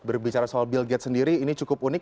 berbicara soal bill gate sendiri ini cukup unik